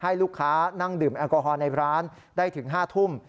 ให้ลูกค้านั่งดื่มแอลกอฮอลในร้านได้ถึง๕ทุ่ม